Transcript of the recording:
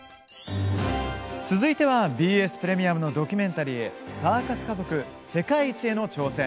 続いてはＢＳプレミアムのドキュメンタリー「サーカス家族世界一への挑戦」。